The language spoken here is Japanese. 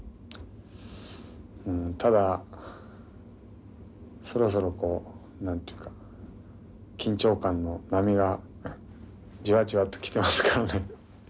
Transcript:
ただそろそろ何て言うか緊張感の波がじわじわと来てますからね。